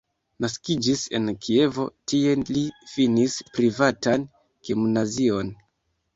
Naskiĝis en Kievo, tie li finis privatan gimnazion.